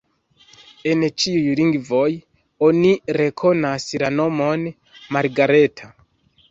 En ĉiuj lingvoj oni rekonas la nomon Margareta.